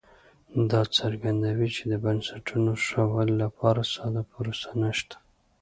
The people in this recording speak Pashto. دا څرګندوي چې د بنسټونو ښه والي لپاره ساده پروسه نشته